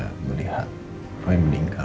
ketika saya melihat roy meninggal